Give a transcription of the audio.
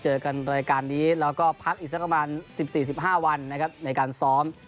เจอกันรายการนี้แล้วก็พักอีกสักประมาณ๑๔๑๕วันนะครับในการซ้อม